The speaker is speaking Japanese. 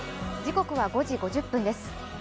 時刻は５時５０分です。